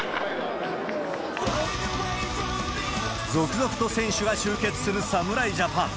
続々と選手が集結する侍ジャンパン。